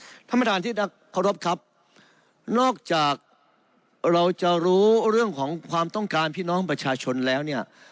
ท่านประธานที่นักเคารพครับนอกจากเราจะรู้เรื่องของความต้องการพี่น้องประชาชนแล้วเนี่ย